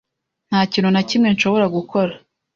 nta kintu na kimwe, nshobora gukora